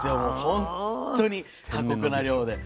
本当に過酷な漁で。